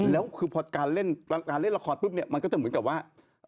แล้วคือพอการเล่นการเล่นละครปุ๊บเนี่ยมันก็จะเหมือนกับว่า